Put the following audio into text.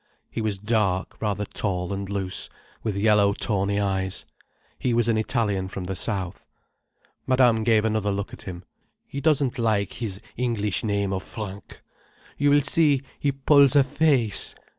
He was dark, rather tall and loose, with yellow tawny eyes. He was an Italian from the south. Madame gave another look at him. "He doesn't like his English name of Frank. You will see, he pulls a face.